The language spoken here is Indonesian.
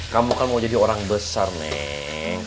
kamu kan mau jadi orang besar nih